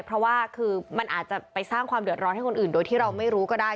เพราะว่าคือมันอาจจะไปสร้างความเดือดร้อนให้คนอื่นโดยที่เราไม่รู้ก็ได้